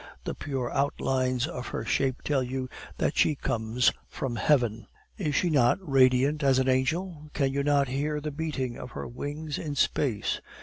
The pure outlines of her shape tell you that she comes from heaven. Is she not radiant as an angel? Can you not hear the beating of her wings in space?